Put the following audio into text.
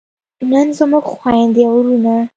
نن زموږ خویندې او وروڼه